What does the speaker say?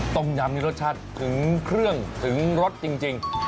ต้มยำนี่รสชาติถึงเครื่องถึงรสจริง